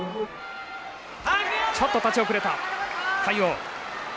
ちょっと立ち遅れた魁皇。